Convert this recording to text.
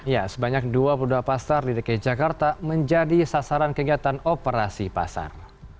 ya sebanyak dua puluh dua pasar di dki jakarta menjadi sasaran kegiatan operasi pasar